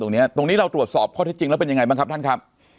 ตรงนี้ตรงนี้เราตรวจสอบข้อที่จริงแล้วเป็นยังไงบ้างครับท่านครับ